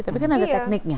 tapi kan ada tekniknya